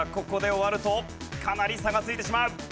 ここで終わるとかなり差がついてしまう。